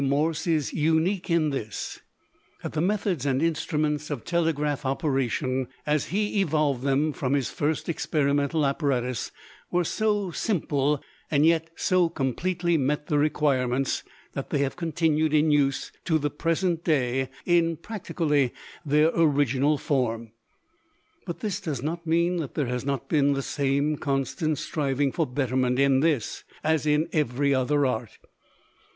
B. Morse is unique in this, that the methods and instruments of telegraph operation as he evolved them from his first experimental apparatus were so simple, and yet so completely met the requirements, that they have continued in use to the present day in practically their original form. But this does not mean that there has not been the same constant striving for betterment in this as in every other art.